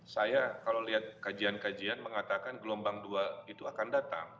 saya kalau lihat kajian kajian mengatakan gelombang dua itu akan datang